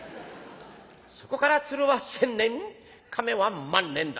そこから『鶴は千年亀は万年』だ」。